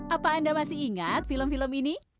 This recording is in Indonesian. apa anda masih ingat film film ini